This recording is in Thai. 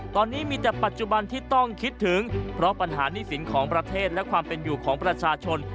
ตอนนี้มีแต่ปัจจุบันที่ต้องคิดถึงเพราะปัญหานี่สินของประเทศและความเป็นอยู่ของประชาชน